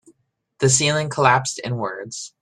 The ceiling collapsed inwards.